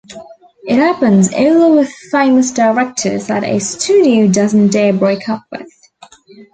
It happens only with famous directors that a studio doesn't dare break up with.